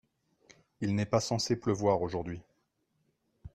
Il n'est pas censé pleuvoir aujourd'hui.